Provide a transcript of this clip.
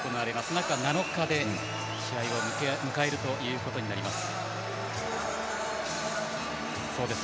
中７日で試合ということになります。